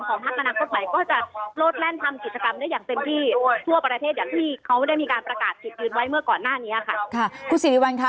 ค่ะครูศิริวันค์ค่ะ